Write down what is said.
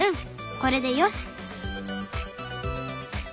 これでよし！